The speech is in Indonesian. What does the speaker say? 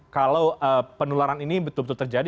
kalau penularan ini betul betul terjadi